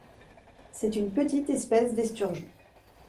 C'est une petite espèce d'esturgeon.